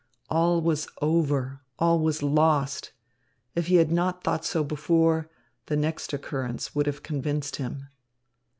All was over, all was lost. If he had not thought so before, the next occurrence would have convinced him.